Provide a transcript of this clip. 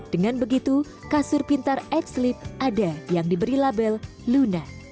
dengan begitu kasur pintar x leep ada yang diberi label luna